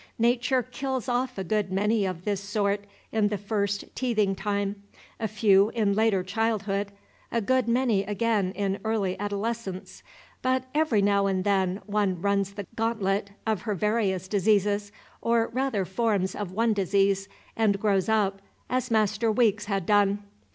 Nature kills off a good many of this sort in the first teething time, a few in later childhood, a good many again in early adolescence; but every now and then one runs the gauntlet of her various diseases, or rather forms of one disease, and grows up, as Master Weeks had done.